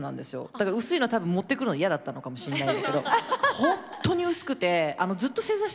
だから薄いの多分持ってくるの嫌だったのかもしれないんだけど本当に薄くてずっと正座してたじゃないですか。